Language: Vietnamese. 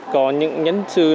có những nhấn sử